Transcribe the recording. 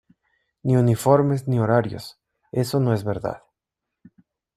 ni uniformes ni horarios... eso no es verdad .